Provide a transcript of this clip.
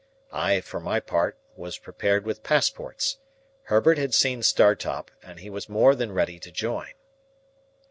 I, for my part, was prepared with passports; Herbert had seen Startop, and he was more than ready to join.